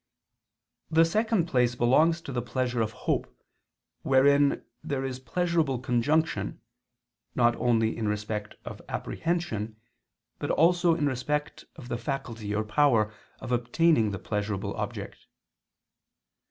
The second place belongs to the pleasure of hope, wherein there is pleasurable conjunction, not only in respect of apprehension, but also in respect of the faculty or power of obtaining the pleasurable object.